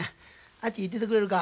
あっち行っててくれるか。